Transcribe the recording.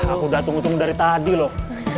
aku gak tunggu tunggu dari tadi loh